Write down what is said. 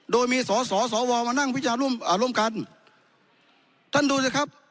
โดยมีสอสอสวมานั่งวิจารณ์ร่วมอ่าร่วมกันท่านดูสิครับ